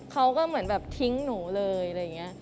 เขาก็เหมือนแบบทิ้งหนูเลยอะไรอย่างนี้